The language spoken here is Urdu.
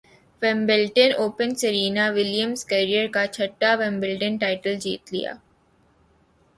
ومبلڈن اوپن سرینا ولیمزنےکیرئیر کا چھٹا ومبلڈن ٹائٹل جیت لیا